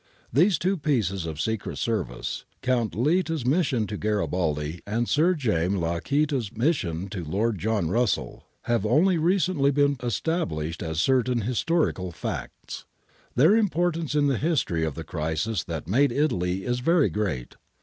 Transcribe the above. These two pieces of secret service, Count Litta's mission to Garibaldi, and Sir James Lacaita's mission to Lord John Russell, have only re cently been established as certain historical facts. Their importance in the history of the crisis that made Italy is very great.